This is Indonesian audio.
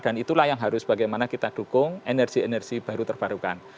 dan itulah yang harus bagaimana kita dukung energi energi baru terbarukan